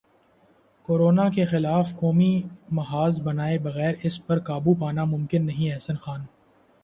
corona کے خلاف قومی محاذ بنائے بغیر اس پر قابو پانا ممکن نہیں احسن خان